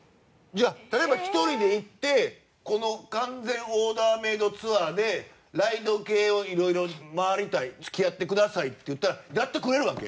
じゃあ例えば一人で行ってこの完全オーダーメイドツアーでライド系を色々回りたい付き合ってくださいって言ったらやってくれるわけ？